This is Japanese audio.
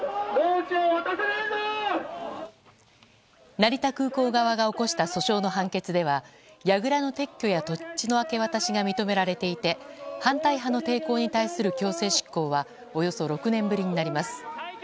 成田空港側が起こした訴訟の判決ではやぐらの撤去や土地の明け渡しが認められていて反対派の抵抗に対する強制執行はおよそ６年ぶりになります。